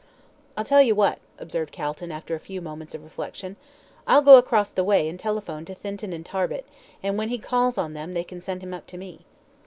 "I'll tell you what," observed Calton, after a few moments of reflection, "I'll go across the way and telephone to Thinton and Tarbit, and when he calls on them they can send him up to me."